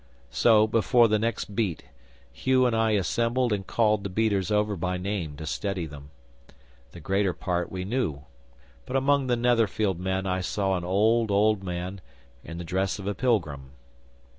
So, before the next beat, Hugh and I assembled and called the beaters over by name, to steady them. The greater part we knew, but among the Netherfield men I saw an old, old man, in the dress of a pilgrim.